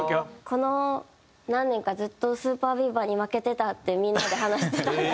この何年かずっとＳＵＰＥＲＢＥＡＶＥＲに負けてたってみんなで話してた。